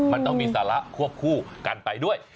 มันต้องมีสาระควบคู่กันไปด้วย